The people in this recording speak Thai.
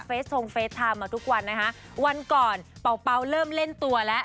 เฟสโทงเฟสไทม์มาทุกวันนะฮะวันก่อนเป่าเป่าเริ่มเล่นตัวละ